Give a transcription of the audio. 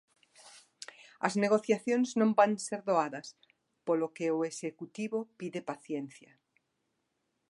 As negociacións non van ser doadas, polo que o executivo pide paciencia.